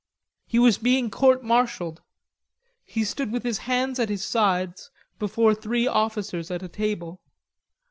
He was being court martialled. He stood with his hands at his sides before three officers at a table.